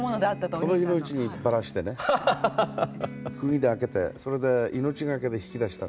その日のうちにバラしてねくぎで開けてそれで命懸けで引き出した。